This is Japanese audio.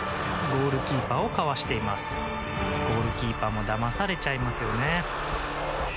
ゴールキーパーもだまされちゃいますよね。